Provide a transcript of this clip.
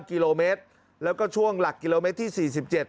กิโลเมตรแล้วก็ช่วงหลักกิโลเมตรที่สี่สิบเจ็ด